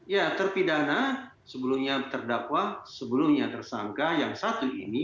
ya terpidana sebelumnya terdakwa sebelumnya tersangka yang satu ini